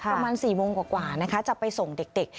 ประมาณ๔โมงกว่านะคะจะไปส่งเด็ก